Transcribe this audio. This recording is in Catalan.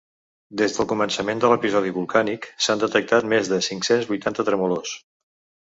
Des del començament de l’episodi volcànic s’han detectat més de cinc-cents vuitanta tremolors.